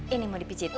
ini mau dipijit